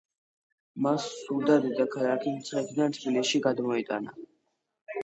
მას სურდა დედაქალაქი მცხეთიდან თბილისში გადმოეტანა.